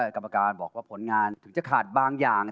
กรรมการบอกว่าผลงานถึงจะขาดบางอย่าง